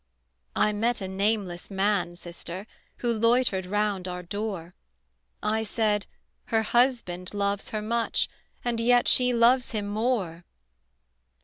"I met a nameless man, sister, Who loitered round our door: I said: Her husband loves her much. And yet she loves him more."